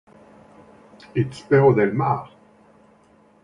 It's El Perro del Mar!